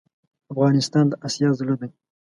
افغانستان دا اسیا زړه ډی